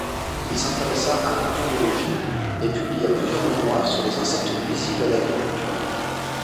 Il s'intéressa à l'entomologie et publia plusieurs mémoires sur les insectes nuisibles à l'agriculture.